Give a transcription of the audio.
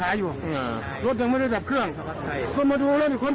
อ้าวนี่ผู้ช่วยผู้ใหญ่บ้าน